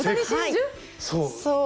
そう。